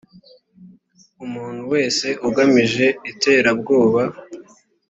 umuntu wese agamije iterabwoba